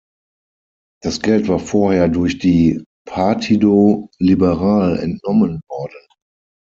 Das Geld war vorher durch die Partido Liberal entnommen worden.